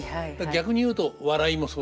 逆に言うと笑いもそうですね。